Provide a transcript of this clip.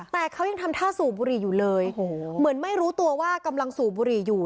แต่เขายังทำท่าสูบบุหรี่อยู่เลยเหมือนไม่รู้ตัวว่ากำลังสูบบุหรี่อยู่